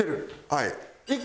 はい。